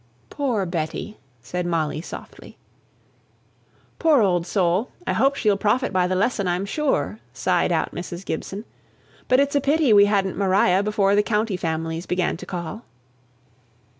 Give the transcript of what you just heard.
"Poor Betty!" said Molly, softly. "Poor old soul! I hope she'll profit by the lesson, I'm sure," sighed out Mrs. Gibson; "but it's a pity we hadn't Maria before the county families began to call."